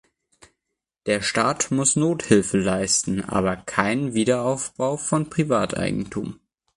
Der Staat muss Nothilfe leisten, aber keinen Wiederaufbau von Privateigentum.